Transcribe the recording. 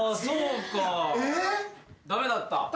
そうか駄目だった？